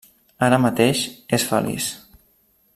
Ara mateix, és feliç.